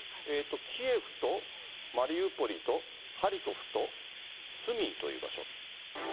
キエフとマリウポリとハリコフとスミーという場所。